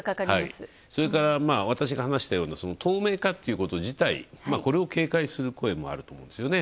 それから私が話したような透明化っていうこと自体これを警戒する声もあると思うんですよね。